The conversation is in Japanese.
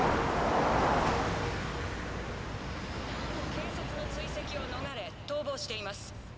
「警察の追跡を逃れ逃亡しています。